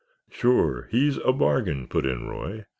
"Sure, he's a bargain," put in Roy.